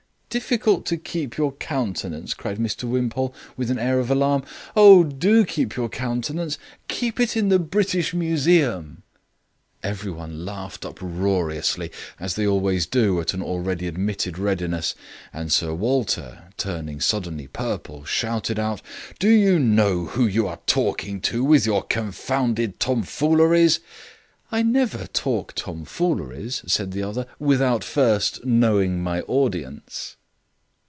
"Difficult to keep your countenance," cried Mr Wimpole, with an air of alarm; "oh, do keep your countenance! Keep it in the British Museum." Every one laughed uproariously, as they always do at an already admitted readiness, and Sir Walter, turning suddenly purple, shouted out: "Do you know who you are talking to, with your confounded tomfooleries?" "I never talk tomfooleries," said the other, "without first knowing my audience."